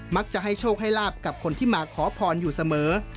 มักจะให้โชคให้ลาบกับคนที่มาขอพรอยู่เสมอ